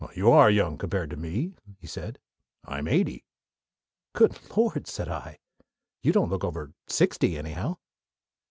"Well, you are young compared to me," he said. "I'm eighty." "Good Lord!" said I. "You don't look over sixty, anyhow."